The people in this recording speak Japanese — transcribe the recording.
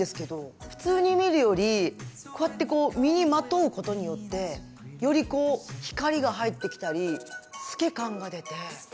普通に見るよりこうやってこう身にまとうことによってよりこう光が入ってきたり透け感が出て。